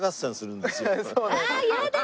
あっやだ！